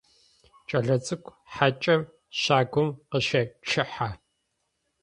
Кӏэлэцӏыкӏу хьакӏэм щагум къыщечъыхьэ.